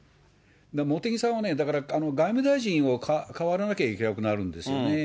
茂木さんはね、だから、外務大臣をかわらなきゃいけなくなるんですよね。